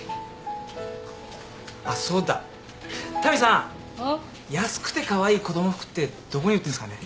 んっ？安くてカワイイ子供服ってどこに売ってんすかね。